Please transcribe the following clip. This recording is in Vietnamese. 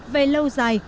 về lâu dài